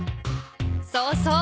そうそう。